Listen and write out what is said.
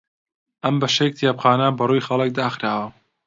ئەم بەشەی کتێبخانە بەڕووی خەڵک داخراوە.